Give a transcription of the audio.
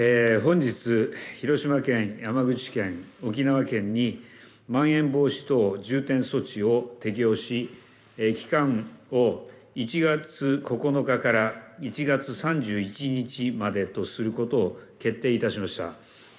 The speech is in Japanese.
本日、広島県、山口県、沖縄県にまん延防止等重点措置を適用し、期間を１月９日から１月３１日までとすることを決定いたしました。